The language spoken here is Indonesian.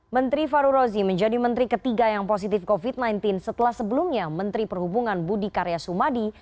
menteri faru rozi menjadi menteri ketiga yang positif covid sembilan belas setelah sebelumnya menteri perhubungan budi karya sumadi